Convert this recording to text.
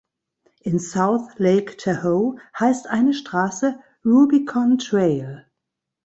In South Lake Tahoe heißt eine Straße "Rubicon Trail".